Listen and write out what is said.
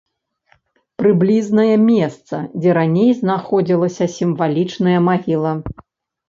Прыблізнае месца, дзе раней знаходзілася сімвалічная магіла.